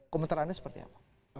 komentar anda seperti apa